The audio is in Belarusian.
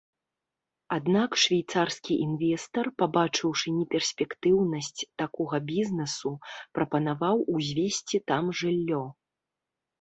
Аднак швейцарскі інвестар, пабачыўшы неперспектыўнасць такога бізнэсу, прапанаваў узвесці там жыллё.